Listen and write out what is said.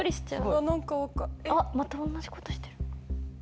あっまたおんなじことしてる。